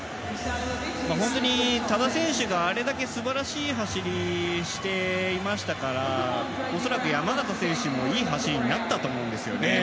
本当に多田選手があれだけ素晴らしい走りをしていましたから恐らく山縣選手も、いい走りになったと思うんですよね。